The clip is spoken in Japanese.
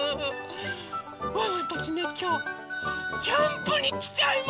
ワンワンたちねきょうキャンプにきちゃいました！